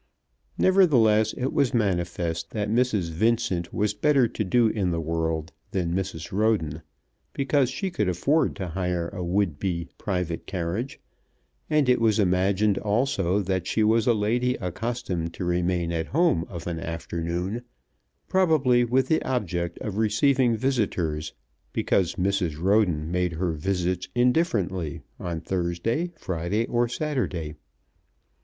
Nevertheless it was manifest that Mrs. Vincent was better to do in the world than Mrs. Roden, because she could afford to hire a would be private carriage; and it was imagined also that she was a lady accustomed to remain at home of an afternoon, probably with the object of receiving visitors, because Mrs. Roden made her visits indifferently on Thursday, Friday, or Saturday.